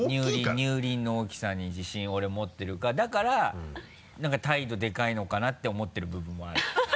乳輪の大きさに自信俺持ってるからだから何か態度でかいのかなって思ってる部分もある。